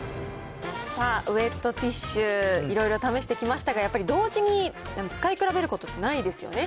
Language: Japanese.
さあ、ウエットティッシュ、いろいろ試してきましたが、やっぱり同時に使い比べることってないですよね。